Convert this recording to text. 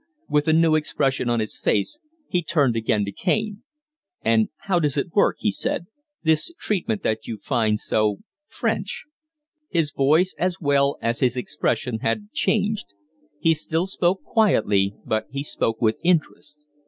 With a new expression on his face, he turned again to Kaine. "And how does it work?" he said. "This treatment that you find so French?" His voice as well as his expression had changed. He still spoke quietly, but he spoke with interest.